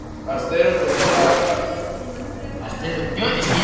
Astero, kultur arloko lagun batek bere zakuan gordetzen dituen gomendioak ekarriko ditu.